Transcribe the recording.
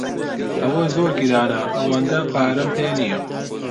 ئەوە زۆر گرانە، ئەوەندە پارەیەم پێ نییە.